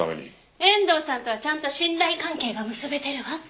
遠藤さんとはちゃんと信頼関係が結べてるわ。